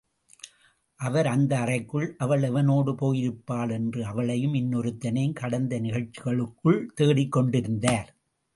அவர், அந்த அறைக்குள் அவள் எவனோடு போயிருப்பாள் என்று அவளையும் இன்னொருத்தனையும் கடந்த நிகழ்ச்சிகளுக்குள் தேடிக் கொண்டிருந்தார்.